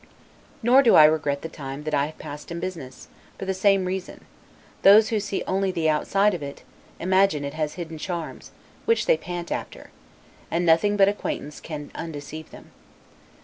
Nor do I regret the time that I have passed in business, for the same reason; those who see only the outside of it, imagine it has hidden charms, which they pant after; and nothing but acquaintance can undeceive them.